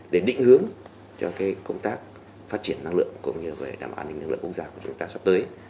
để định hướng cho công tác phát triển năng lượng cũng như về đảm bảo an ninh năng lượng quốc gia của chúng ta sắp tới